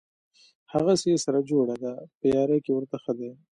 هغسې یې سره جوړه ده په یاري کې ورته ښه دي.